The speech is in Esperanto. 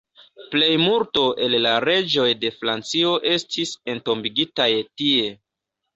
Plejmulto el la reĝoj de Francio estis entombigitaj tie.